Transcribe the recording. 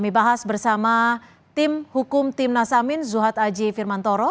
bahas bersama tim hukum timnas amin zuhat aji firmantoro